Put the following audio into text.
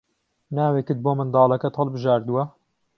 ناوێکت بۆ منداڵەکەت هەڵبژاردووە؟